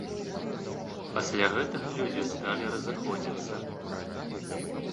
Пасля гэтага людзі сталі разыходзіцца.